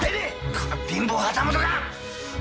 この貧乏旗本が！